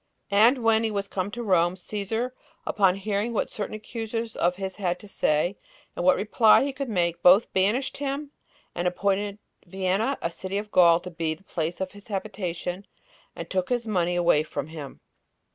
And when he was come [to Rome], Cæsar, upon hearing what certain accusers of his had to say, and what reply he could make, both banished him, and appointed Vienna, a city of Gaul, to be the place of his habitation, and took his money away from him.